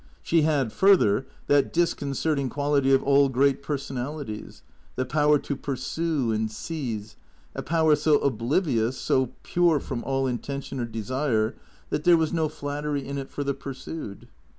She had further that disconcerting quality of all great personalities, the power to pursue and seize, a power so oblivious, so pure from all inten tion or desire, that there was no flattery in it for the pursued.